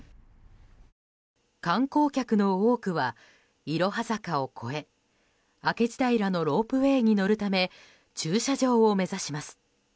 観光客の多くはいろは坂を越え明智平のロープウェイに乗るため駐車場を目指します。